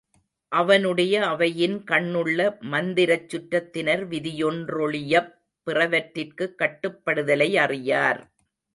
அவனுடைய அவையின் கண்ணுள்ள மந்திரச் சுற்றத்தினர் விதியொன்றொழியப் பிறவற்றிற்குக் கட்டுப்படுதலை அறியார்.